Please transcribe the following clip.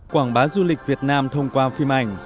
quảng bá du lịch việt nam thông qua phim ảnh